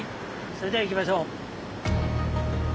それでは行きましょう。